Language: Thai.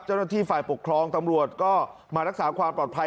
เจ้าหน้าที่ฝ่ายปกครองตำรวจก็มารักษาความปลอดภัย